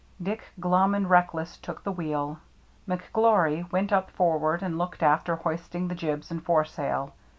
Dick, glum and reckless, took the wheel ; McGlory went up forward and looked after hoisting the jibs and foresail.